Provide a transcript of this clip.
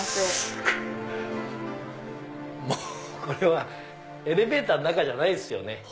これはエレベーターの中じゃないですよね。